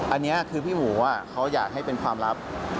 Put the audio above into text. อันนี้คือพี่หมูเขาอยากให้เป็นความลับ